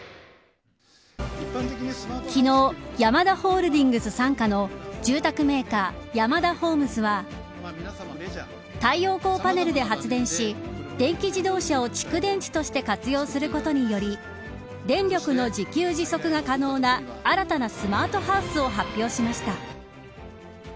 昨日ヤマダホールディングス傘下の住宅メーカー、ヤマダホームズは太陽光パネルで発電し電気自動車を蓄電池として活用することにより電力の自給自足が可能な新たなスマートハウスを発表しました。